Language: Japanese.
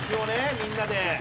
みんなで。